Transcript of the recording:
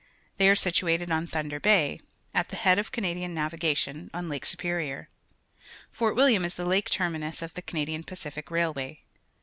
They are situated on Thunder Bay, at the head x>f Canadian naAdgation^xm Lake Superior. Fort William is the lake terminus of the Canadian Pacific Railway.